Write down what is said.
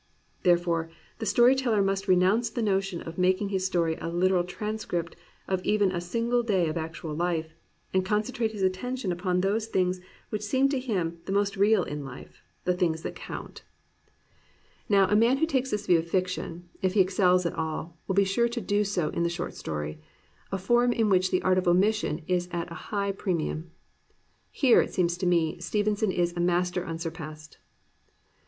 Therefore, the story teller must renounce the notion of making his story a literal transcript of even a single day of actual life, and concentrate his attention upon those things which seem to him the most real in life, — the things that count. 380 AN ADVENTURER Now a man who takes this view of fiction, if he excels at all, will be sure to do so in the short story, a form in which the art of omission is at a high pre mium. Here, it seems to me, Stevenson is a master unsurpassed.